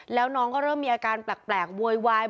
มันจะเอาบ้านมาค่ะ